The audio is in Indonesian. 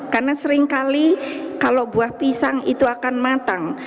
karena seringkali kalau buah pisang itu akan matang